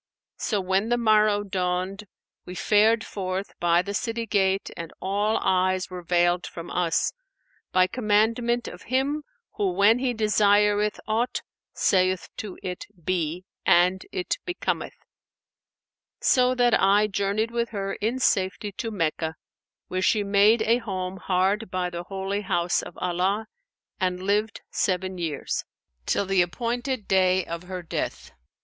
So when the morrow dawned, we fared forth by the city gate and all eyes were veiled from us, by commandment of Him who when He desireth aught, saith to it, 'Be,' and it becometh;[FN#493] so that I journeyed with her in safety to Meccah, where she made a home hard by the Holy House of Allah and lived seven years; till the appointed day of her death.